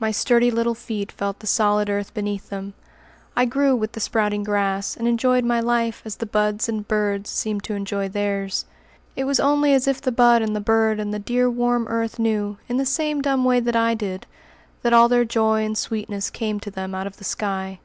My sturdy little feet felt the solid earth beneath them. I grew with the sprouting grass, and enjoyed my life as the buds and birds seemed to enjoy theirs. It was only as if the bud and the bird and the dear warm earth knew, in the same dumb way that I did, that all their joy and sweetness came to them out of the sky.